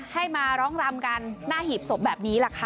ให้มาร้องรำกันหน้าหีบศพแบบนี้แหละค่ะ